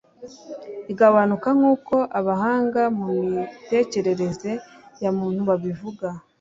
igabanuka nkuko abahanga mu mitekerereze ya muntu babivuga.